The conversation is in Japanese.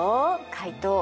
カイト。